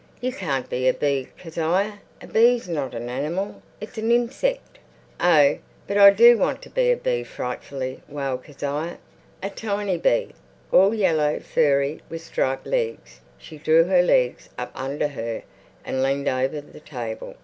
"You can't be a bee, Kezia. A bee's not an animal. It's a ninseck." "Oh, but I do want to be a bee frightfully," wailed Kezia.... A tiny bee, all yellow furry, with striped legs. She drew her legs up under her and leaned over the table.